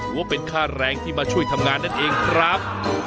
ว่าเป็นค่าแรงที่มาช่วยทำงานนั่นเองครับ